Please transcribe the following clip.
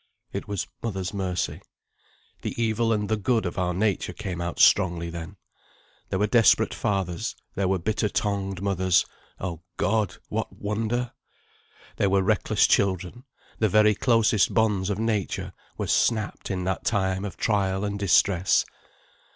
It was mother's mercy. The evil and the good of our nature came out strongly then. There were desperate fathers; there were bitter tongued mothers (O God! what wonder!); there were reckless children; the very closest bonds of nature were snapt in that time of trial and distress.